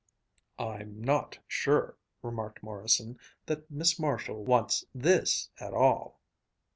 "I'm not sure," remarked Morrison, "that Miss Marshall wants this at all."